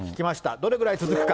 どれぐらい続くか。